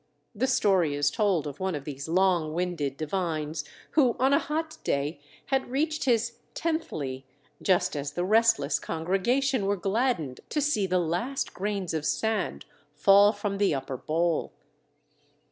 The story is told of one of these long winded divines who, on a hot day, had reached his "tenthly" just as the restless congregation were gladdened to see the last grains of sand fall from the upper bowl.